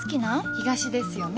東ですよね？